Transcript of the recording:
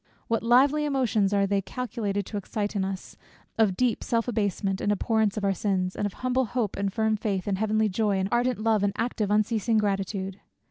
What lively emotions are they calculated to excite in us of deep self abasement, and abhorrence of our sins; and of humble hope, and firm faith, and heavenly joy, and ardent love, and active unceasing gratitude!